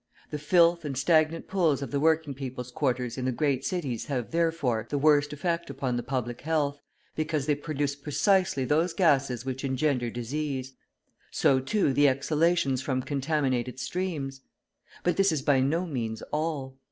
The filth and stagnant pools of the working people's quarters in the great cities have, therefore, the worst effect upon the public health, because they produce precisely those gases which engender disease; so, too, the exhalations from contaminated streams. But this is by no means all.